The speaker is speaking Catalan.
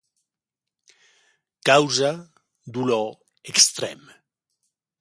Causa dolor extrem.